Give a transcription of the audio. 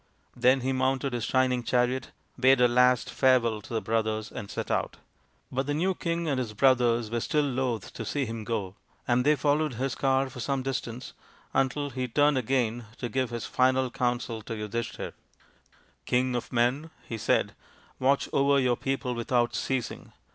Then he mounted his shining chariot, bade a last farewell to the brothers, and set out. But the new king and his brothers were still loth to see him go, and they followed his car for some distance, until he turned again to give his final counsel to Yudhishthir. 86 THE INDIAN STORY BOOK " King of men/ 5 he said, " watch over your people without ceasing.